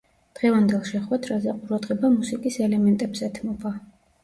დღევანდელ შეხვედრაზე, ყურადღება მუსიკის ელემენტებს ეთმობა.